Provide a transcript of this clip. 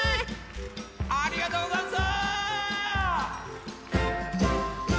ありがとうござんす！